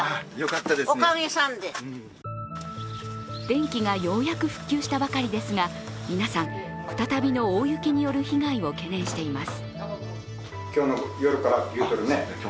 電気がようやく復旧したばかりですが、皆さん、再びの大雪による被害を懸念しています。